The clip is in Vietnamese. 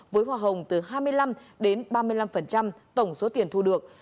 với hoa hồng từ hai mươi năm đến ba mươi năm tổng số tiền thu được